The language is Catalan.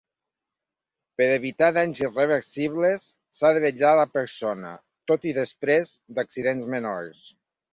Per evitar danys irreversibles, s'ha de vetllar la persona tot i després d'accidents menors.